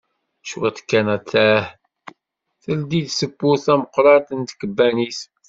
Cwiṭ kan attah teldi-d tewwurt tameqqrant n tkebbanit.